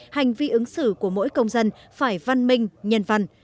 hành vi ứng xử của mỗi công dân phải văn minh nhân văn